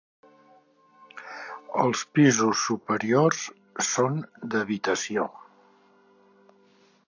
Els pisos superiors són d'habitació.